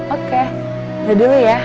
oke dah dulu ya